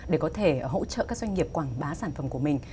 để có thể hỗ trợ các doanh nghiệp quảng bá sản phẩm của mình